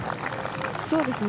そうですね。